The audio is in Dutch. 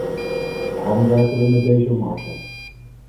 Daarom werken we met deze marge.